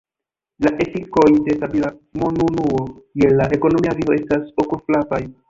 La efikoj de stabila monunuo je la ekonomia vivo estas okulfrapaj.